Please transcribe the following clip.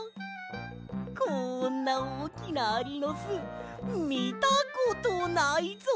こんなおおきなアリのすみたことないぞ！